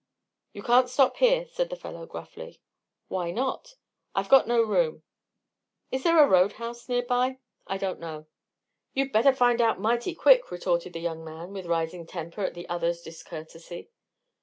"You can't stop here," said the fellow, gruffly. "Why not?" "I've got no room." "Is there a road house near by?" "I don't know." "You'd better find out mighty quick," retorted the young man, with rising temper at the other's discourtesy.